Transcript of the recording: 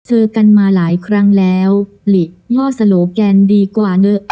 เจอกันมาหลายครั้งแล้วหลีย่อสโลแกนดีกว่าเนอะ